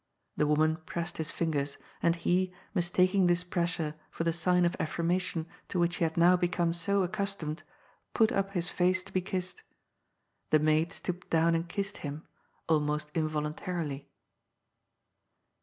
The woman pressed his fingers, and he, mistaking this pressure for the sign of affirmation to which he had now become so accustomed, put up his face to be kissed. The maid stooped down and kissed him — almost involuntarily.